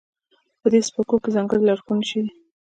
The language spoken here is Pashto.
په دې څپرکو کې ځانګړې لارښوونې شوې دي.